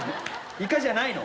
イカじゃないの？